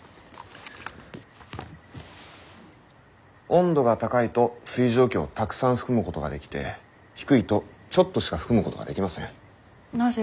温度が高いと水蒸気をたくさん含むことができて低いとちょっとしか含むことができません。